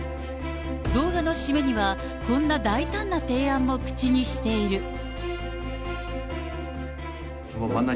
動画の締めには、こんな大胆な提案も口にしている。